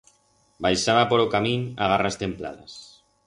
Baixaba por o camín a garras templadas.